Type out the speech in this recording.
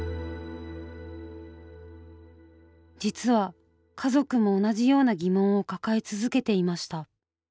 実は家族も同じような疑問を抱え続けていました。